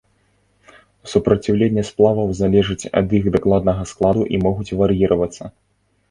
Супраціўленне сплаваў залежаць ад іх дакладнага складу і могуць вар'іравацца.